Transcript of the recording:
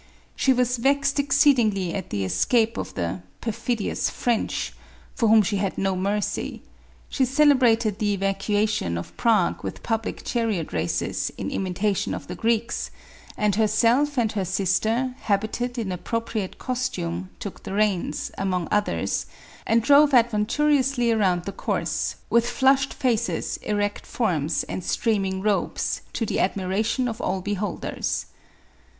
She was vexed exceedingly at the escape of the "perfidious French," for whom she had no mercy ; she celebrated the evacuation of Prague with public chariot races, in imitation of the Greeks ; and herself and her sister, habited in appropriate costume, took the reins, among others, and drove adventurously around the course, with flushed faces, erect forms and streaming robes, to the admiration of all beholders.